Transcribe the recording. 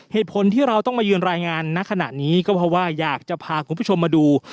เหตุผลที่เราต้องมายืนรายงานณขณะนี้ก็เพราะว่าอยากจะพาคุณผู้ชมมาดู